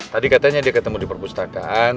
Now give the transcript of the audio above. tadi katanya dia ketemu di perpustakaan